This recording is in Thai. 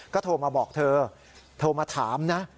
ก็โทรมาบอกเธอโทรมาถามนะ